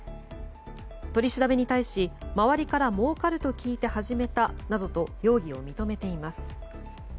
取り調べに対し、周りからもうかると聞いて始めたなどと容疑を認めています。